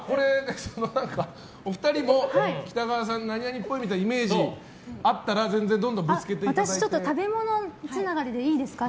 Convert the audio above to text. お二人も北川さんが何々っぽいみたいなイメージあったらどんどんぶつけていただいて。